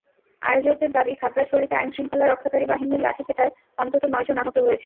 আয়োজকদের দাবি, খাগড়াছড়িতে আইনশৃঙ্খলা রক্ষাকারী বাহিনীর লাঠিপেটায় অন্তত নয়জন আহত হয়েছেন।